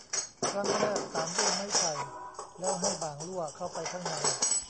ครั้งแรกสานด้วยไม้ไผ่ แล้วให้บ่างลั่วเข้าไปข้างใน